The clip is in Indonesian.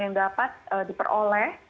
yang dapat diperoleh